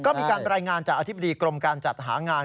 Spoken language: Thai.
ก็มีการรายงานจากอธิบดีกรมการจัดหางาน